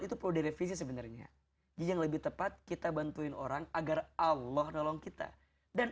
itu perlu direvisi sebenarnya jadi yang lebih tepat kita bantuin orang agar allah nolong kita dan